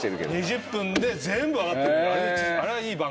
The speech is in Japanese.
２０分で全部分かってくる。